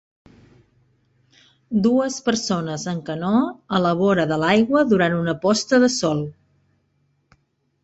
Dues persones en canoa a la vora de l'aigua durant una posta de sol.